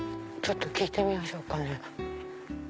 ちょっと聞いてみましょうかね。